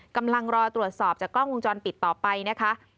กำลังรอตรวจสอบจากกล้องวงจรปิดต่อไปนะคะ